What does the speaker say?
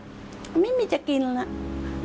ไม่มีที่จะกินแล้ว